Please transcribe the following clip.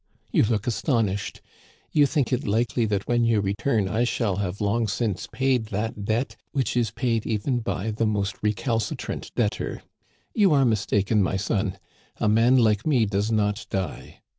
You look astonished. You think it likely that when you return I shall have Digitized by VjOOQIC THE GOOD GENTLEMAN." 141 long since paid that debt which is paid even by the most recalcitrant debtor. You are mistaken, my son ; a man like me does not die.